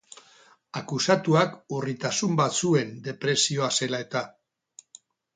Akusatuak urritasun bat zuen depresioa zela eta.